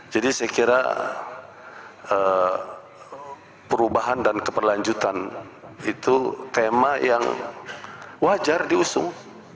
jadi saya kira perubahan dan keperlanjutan itu tema yang wajar diusung